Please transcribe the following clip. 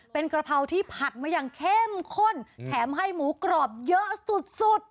เป็นกะเพราที่ผัดมาอย่างเข้มข้นแถมให้หมูกรอบเยอะสุด